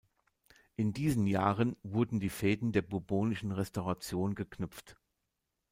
In diesen Jahren wurden die Fäden der bourbonischen Restauration geknüpft.